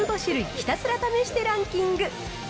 ひたすら試してランキング。